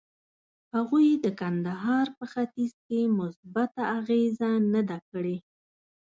هغوی د کندهار په تاریخ کې مثبته اغیزه نه ده کړې.